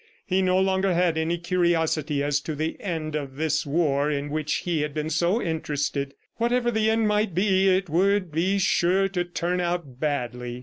He no longer had any curiosity as to the end of this war in which he had been so interested. Whatever the end might be, it would be sure to turn out badly.